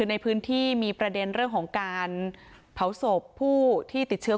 ในพื้นที่มีประเด็นเรื่องของการเผาศพผู้ที่ติดเชื้อ